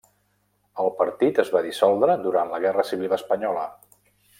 El partit es va dissoldre durant la Guerra Civil Espanyola.